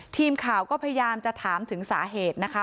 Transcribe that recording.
ทีมข่าวก็พยายามจะถามถึงสาเหตุนะคะ